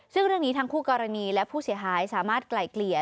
ซึ่งเรื่องนี้ทั้งคู่กรณีและผู้เสียหายสามารถไกล่เกลี่ย